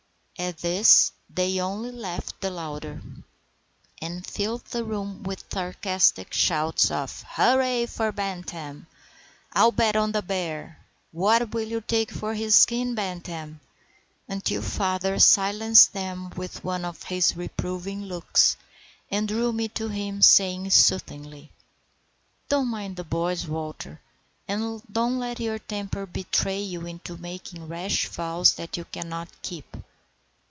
At this they only laughed the louder, and filled the room with sarcastic shouts of,— "Hurrah for the Bantam!"—"I'll bet on the bear"—"What will you take for his skin, Bantam?" until father silenced them with one of his reproving looks, and drew me to him, saying soothingly,— "Don't mind the boys, Walter; and don't let your temper betray you into making rash vows that you cannot keep."